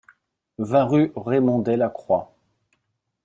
vingt rue Remondet Lacroix